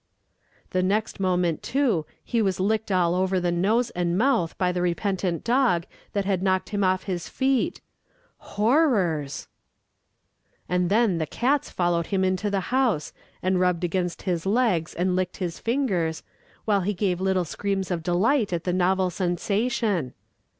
The next moment, too, he was licked all over the nose and mouth by the repentant dog that had knocked him off his feet. Horrors! And then the cats followed him into the house, and rubbed against his legs and licked his fingers, while he gave little screams of delight at the novel sensation.